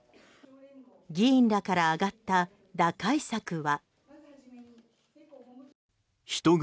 議員らから上がった打開策は。